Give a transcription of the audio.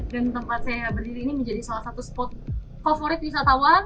dan tempat saya berdiri ini menjadi salah satu spot favorit wisatawan